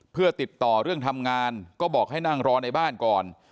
เพื่อติดต่อเรื่องทำงานก็บอกให้นั่งรอในบ้านก่อน